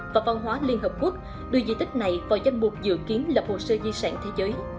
và văn hóa liên hợp quốc đưa di tích này vào danh mục dự kiến lập hồ sơ di sản thế giới